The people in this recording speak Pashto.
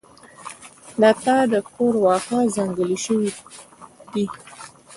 د تا د کور واښه ځنګلي شوي دي